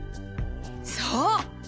そう！